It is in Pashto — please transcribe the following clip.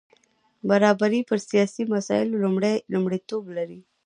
برابري پر سیاسي مسایلو لومړیتوب لري.